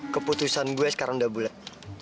keputusan gue sekarang udah bulat